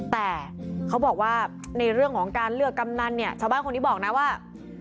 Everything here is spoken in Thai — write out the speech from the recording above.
แต่เขาบอกว่าในเรื่องของการเลือกกำนันเนี่ยชาวบ้านคนนี้บอกนะว่า